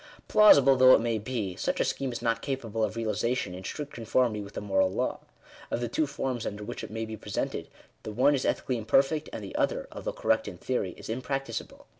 Plausible though it may be, such a scheme is not capable of realization in strict conformity with the moral law. Of the two forms under which it may be presented, the one is ethically im perfect; and the other, although correct in theory, is im practicable.